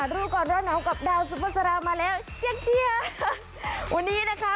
รูกรแร่หนอกับดาวซุปเปอร์สารามาแล้วเจี๊ยงเจียงวันนี้นะคะ